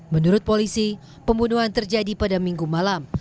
menurut polisi pembunuhan terjadi pada minggu malam